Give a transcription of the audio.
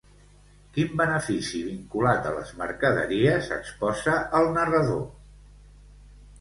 Quin benefici vinculat a les mercaderies exposa el narrador?